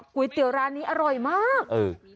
ก๋วยเตี๋ยวร้านนี้อร่อยมากเออ